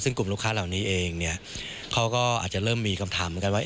ซึ่งกลุ่มลูกค้าเหล่านี้เองเนี่ยเขาก็อาจจะเริ่มมีคำถามเหมือนกันว่า